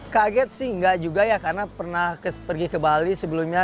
kaget sih enggak juga ya karena pernah pergi ke bali sebelumnya